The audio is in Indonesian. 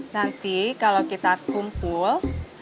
nanti kalau kita kumpul